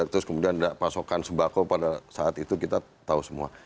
terus kemudian pasokan sembako pada saat itu kita tahu semua